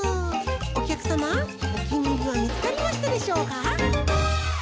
おきゃくさまおきにいりはみつかりましたでしょうか？